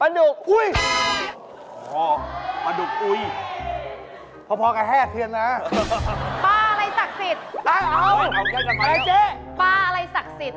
เอาอะไรเจ๊ปลาอะไรศักดิ์สิทธิ์ปลาอะไรศักดิ์สิทธิ์ปลาอะไรศักดิ์สิทธิ์